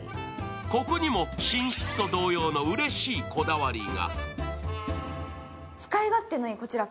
ここにも寝室と同様のうれしいこだわりが。